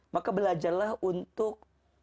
maka belajarlah untuk